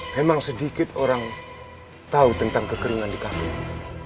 memang sedikit orang tahu tentang kekeringan di kampung